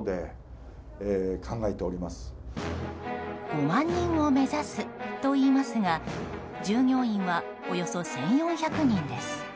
５万人を目指すといいますが従業員はおよそ１４００人です。